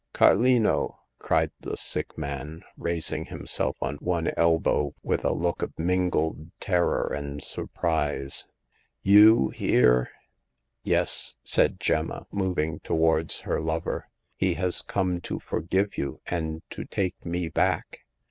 Carlino !" cried the sick man, raising him self on one elbow with a look of mingled terror and surprise. You here ?"Yes," said Gemma, moving towards her lover ;" he has come to forgive you and to take me back."